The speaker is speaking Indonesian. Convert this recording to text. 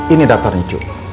ini daftarnya cu